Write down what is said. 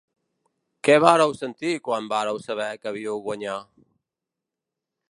Què vàreu sentir quan vàreu saber que havíeu guanyar?